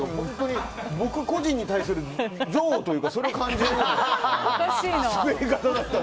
僕個人に対する憎悪というか、それを感じるスベり方だったので。